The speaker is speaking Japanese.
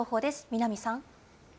南さん。